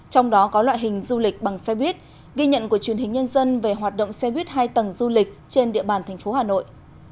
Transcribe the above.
trong đó có loại hình du lịch bằng xe buýt ghi nhận của truyền hình nhân dân về hoạt động xe buýt hai tầng du lịch trên địa bàn tp hà nội